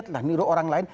nah mirip orang lain